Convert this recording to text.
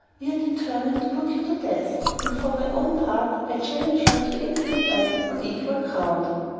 We are determined to put you to death; and for my own part, I challenge you to instant battle, on equal ground."